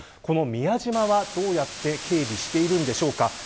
宮島は、どうやって警備しているんでしょうか。